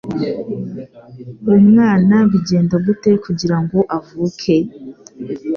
umwana bigenda gute kugira ngo avuke?